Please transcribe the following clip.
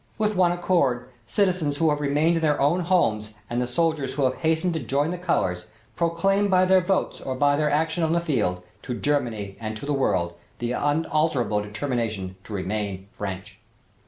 With one accord, citizens who have remained in their own homes and the soldiers who have hastened to join the colors, proclaim by their votes or by their action on the field, to Germany and to the world, the unalterable determination to remain French."